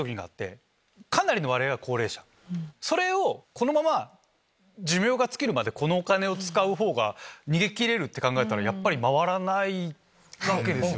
このまま寿命が尽きるまでこのお金を使う方が逃げ切れるって考えたらやっぱり回らないわけですよね。